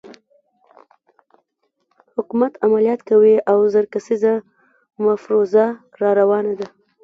حکومت عملیات کوي او زر کسیزه مفروزه راروانه ده.